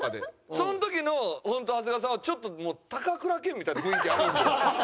その時の長谷川さんはちょっともう高倉健みたいな雰囲気あるんですよ。